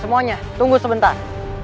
semuanya tunggu sebentar